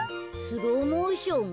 スローモーション？